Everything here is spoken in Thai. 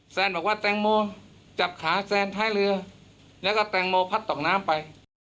แซนบอกว่าแตงโมจับขาแซนท้ายเรือแล้วก็แตงโมพัดตกน้ำไป